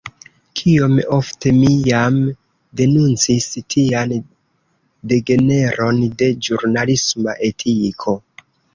Kiom ofte mi jam denuncis tian degeneron de ĵurnalisma etiko!